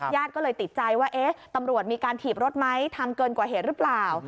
ญาติก็เลยติดใจว่าเอ๊ะตำรวจมีการถีบรถไหมทำเกินกว่าเหตุหรือเปล่า